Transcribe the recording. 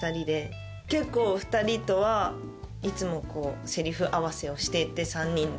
結構２人とはいつもセリフ合わせをしてて３人で。